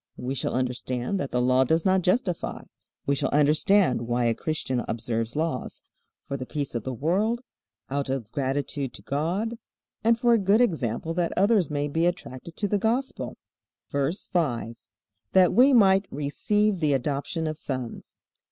We shall understand that the Law does not justify. We shall understand why a Christian observes laws: For the peace of the world, out of gratitude to God, and for a good example that others may be attracted to the Gospel. VERSE 5. That we might receive the adoption of sons.